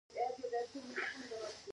باران د افغانانو د ژوند طرز خورا اغېزمنوي.